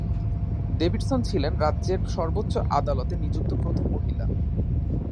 Davidson ছিলেন রাজ্যের সর্বোচ্চ আদালতে নিযুক্ত প্রথম মহিলা।